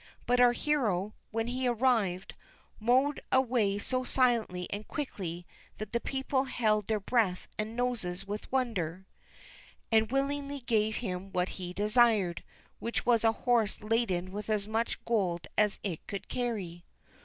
But our hero, when he arrived, mowed away so silently and quickly, that the people held their breath and noses with wonder, and willingly gave him what he desired, which was a horse laden with as much gold as it could carry.